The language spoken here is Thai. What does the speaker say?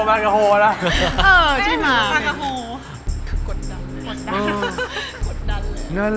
มักกี้ฮามมากะฟื้อกะโฮกะโฮ